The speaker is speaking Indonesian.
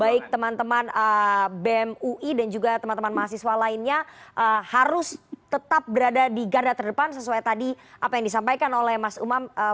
baik teman teman bem ui dan juga teman teman mahasiswa lainnya harus tetap berada di garda terdepan sesuai tadi apa yang disampaikan oleh mas umam